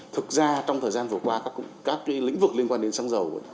thực ra trong thời gian vừa qua các lĩnh vực liên quan đến xăng dầu